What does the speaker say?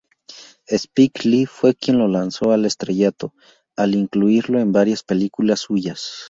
Spike Lee fue quien lo lanzó al estrellato, al incluirlo en varias películas suyas.